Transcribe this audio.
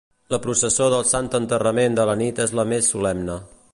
La processó del Sant Enterrament de la nit és la més solemne.